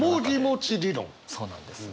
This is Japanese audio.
そうなんです。